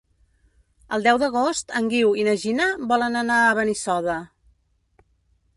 El deu d'agost en Guiu i na Gina volen anar a Benissoda.